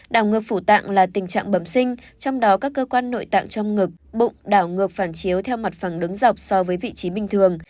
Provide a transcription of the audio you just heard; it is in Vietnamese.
đảo ngược phủ tạng là tình trạng bẩm sinh trong đó các cơ quan nội tạng trong ngực bụng đảo ngược phản chiếu theo mặt phẳng đứng dọc so với vị trí bình thường